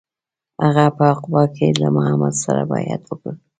هغه په عقبه کې له محمد سره بیعت وکړ.